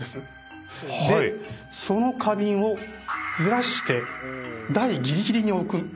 でその花瓶をずらして台ぎりぎりに置く。